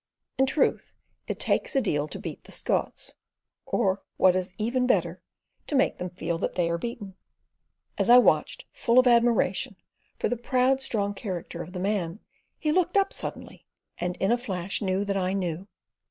In truth, it takes a deal to "beat the Scots," or, what is even better, to make them feel that they are beaten. As I watched, full of admiration, for the proud, strong character of the man, he looked up suddenly, and, in a flash, knew that I knew.